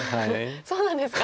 そうなんですか？